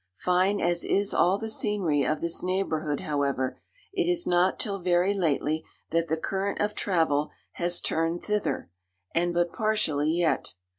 Fine as is all the scenery of this neighbourhood, however, it is not till very lately that the current of travel has turned thither, and but partially yet.